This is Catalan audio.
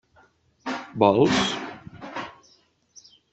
Vols?